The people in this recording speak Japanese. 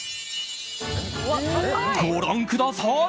ご覧ください！